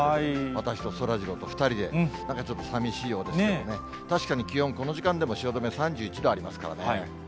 私とそらジローと２人で、なんかちょっとさみしいですけどね、確かに気温、この時間でも汐留３１度ありますからね。